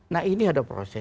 nah ini ada proses